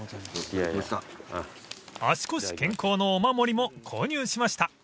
［足腰健康のお守りも購入しました］